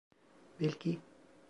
Belki.